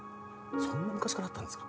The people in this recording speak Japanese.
そんな昔からあったんですか？